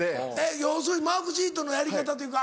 要するにマークシートのやり方というか